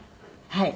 はい。